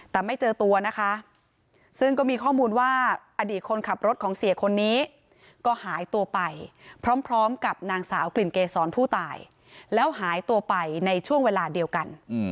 แต่ไม่เจอตัวนะคะซึ่งก็มีข้อมูลว่าอดีตคนขับรถของเสียคนนี้ก็หายตัวไปพร้อมกับนางสาวกลิ่นเกษรผู้ตายแล้วหายตัวไปในช่วงเวลาเดียวกัน